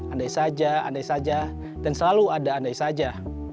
andai saja andai saja dan selalu ada andai saja